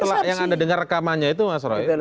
setelah yang anda dengar rekamannya itu mas roy